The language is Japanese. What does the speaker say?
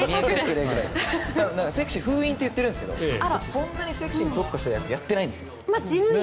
セクシー封印って言ってるんですがそんなにセクシーに特化した役やっていないんですよ。